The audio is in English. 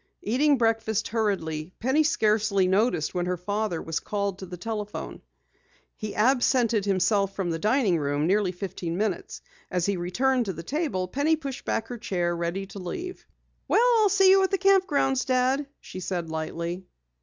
Eating breakfast hurriedly, Penny scarcely noticed when her father was called to the telephone. He absented himself from the dining room nearly fifteen minutes. As he returned to the table, Penny pushed back her chair, ready to leave. "Well, I'll see you at the camp grounds, Dad," she said lightly.